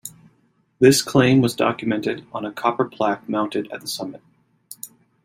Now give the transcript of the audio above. This claim was documented on a copper plaque mounted at the summit.